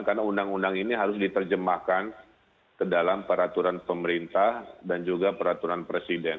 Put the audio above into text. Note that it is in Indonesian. karena undang undang ini harus diterjemahkan ke dalam peraturan pemerintah dan juga peraturan presiden